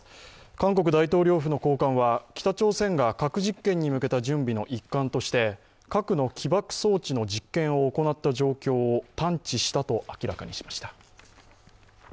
韓国大統領府の高官は、北朝鮮が核実験に向けた準備の一環として、核の起爆装置の実験を行った状況を探知したと明らかにしました。